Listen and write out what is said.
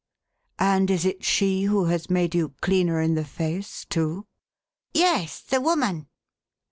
1'1 "And is it she who has made you cleaner in the face, tco?" " Yes, the woman.'